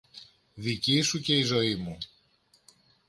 δική σου και η ζωή μου!